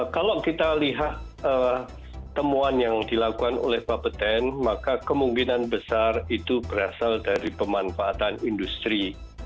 kalau kita lihat temuan yang dilakukan oleh bapeten maka kemungkinan besar itu berasal dari pemanfaatan industri